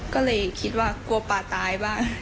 ก็เลยคิดว่ากลัวปลาตายบ้าง